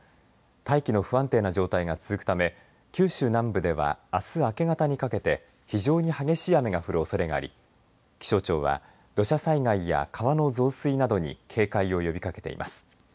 大気が不安定な状態が続くため九州南部ではあす明け方にかけて非常に激しい雨が降るおそれがあり気象庁は土砂災害や川の増水などに警戒を呼びかけています。